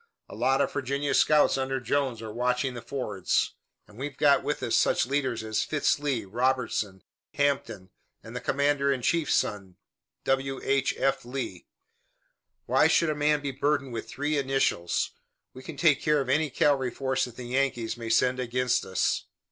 A lot of Virginia scouts under Jones are watching the fords, and we've got with us such leaders as Fitz Lee, Robertson, Hampton and the commander in chief's son, W. H. F. Lee why should a man be burdened with three initials? We can take care of any cavalry force that the Yankees may send against us."